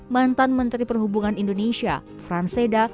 mantan menteri perhubungan indonesia fran seda